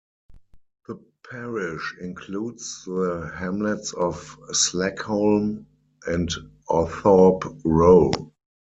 The parish includes the hamlets of Slackholme and Authorpe Row.